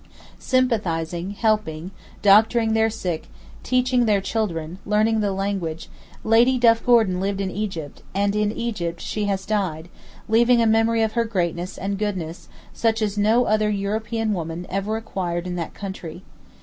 Sympathizing, helping, doctoring their sick, teaching their children, learning the language, Lady Duff Gordon lived in Egypt, and in Egypt she has died, leaving a memory of her greatness and goodness such as no other European woman ever acquired in that country.